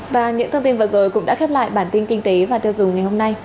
và những thông tin vừa rồi cũng đã khép lại bản tin kinh tế và tiêu dùng ngày hôm nay